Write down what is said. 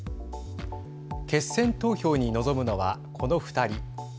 決選投票に臨むのはこの２人。